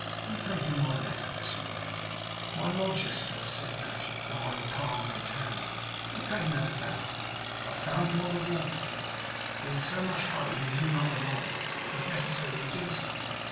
'Who gave him my letter this morning?' 'My lodger, sir,' said Nadgett, behind the palm of his hand. 'How came that about?' 'I found him on the wharf, sir. Being so much hurried, and you not arrived, it was necessary to do something.